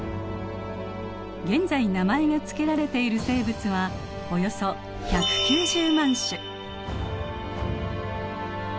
現在名前が付けられている生物はおよそ１９０万種。